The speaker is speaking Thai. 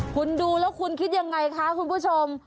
คุณดูแล้วคุณคิดยังไงคะคุณผู้ชม